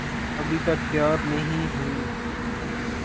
ابھی تک تیار نہیں ہوئیں؟